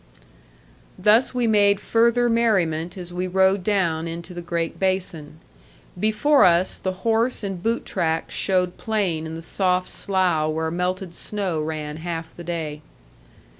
Thus we made further merriment as we rode down into the great basin. Before us, the horse and boot tracks showed plain in the soft slough where melted snow ran half the day.